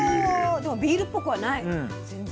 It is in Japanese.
でもビールっぽくはない全然。